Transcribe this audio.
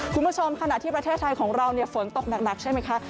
คุณผู้ชมขณะที่ประเทศไทยของเราฝนตกหนักใช่ไหมคะ